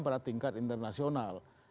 pada tingkat internasional